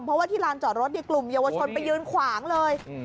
เพราะว่าที่ลานจอดรถกลุ่มเยาวชนไปยืนขวางเลย